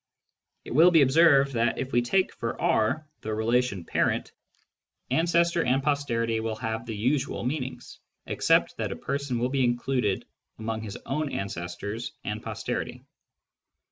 It will be observed that if we take for R the relation " parent," " ancestor " and " posterity " will have the usual meanings, except that a person will be included among his own ancestors and posterity.